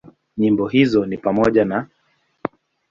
Nyimbo hizo ni pamoja na;